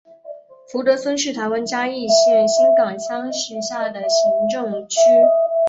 福德村是台湾嘉义县新港乡辖下的行政区。